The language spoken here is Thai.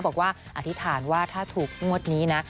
บอกว่าอธิษฐานว่าถ้าถูกงวดนี้นะ